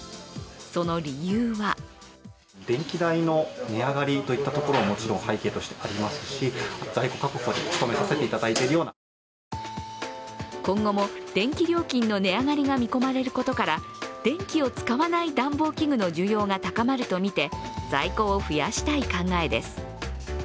その理由は今後も電気料金の値上がりが見込まれることから電気を使わない暖房器具の需要が高まるとみて在庫を増やしたい考えです。